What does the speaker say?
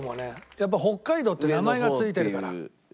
やっぱ「北海道」って名前が付いてるから。